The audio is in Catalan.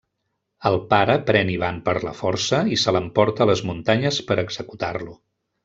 El pare pren Ivan per la força i se l'emporta a les muntanyes per executar-lo.